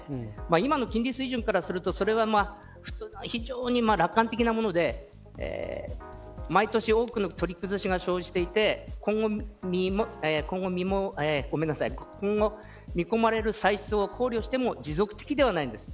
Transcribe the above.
今の金利水準からするとそれは非常に楽観的なもので毎年多くの取り崩しが生じていて今後見込まれる歳出を考慮しても持続的ではないんです。